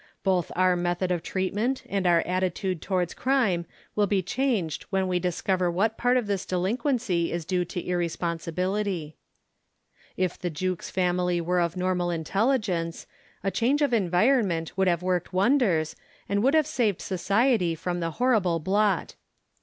Both our method of treatment and our attitude towards crime will be changed when we discover what part of this delinquency is due to irresponsibility. If the Jukes family were of normal intelligence, a change of environment would have worked wonders and would have saved society from the horrible blot.